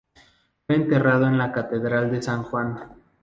Fue enterrado en la Catedral de San Juan.